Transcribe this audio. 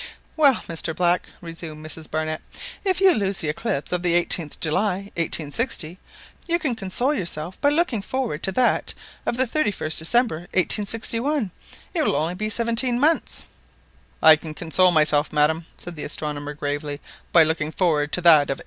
"Well, Mr Black," resumed Mrs Barnett, "if you lose the eclipse of the 18th July 1860, you can console yourself by looking forward to that of the 31st December 1861. It will only be seventeen months !" "I can console myself, madam," said the astronomer gravely, "by looking forward to that of 1896.